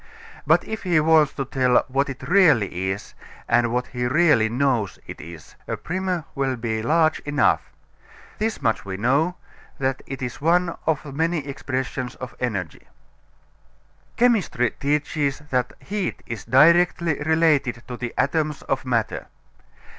But if he wants to tell what it really is, and what he really knows it is, a primer will be large enough. This much we know that it is one of many expressions of energy. Chemistry teaches that heat is directly related to the atoms of matter.